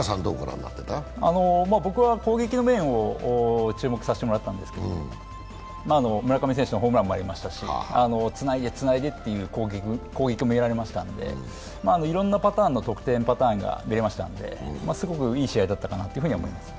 僕は、攻撃の面に注目させてもらったんですけど、村上選手のホームランもありましたし、つないでつないでという攻撃が見れましたしいろんな得点パターンが出ましたんですごくいい試合だったかなというふうには思います。